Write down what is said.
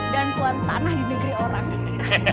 dan tuan tanah di negeri orang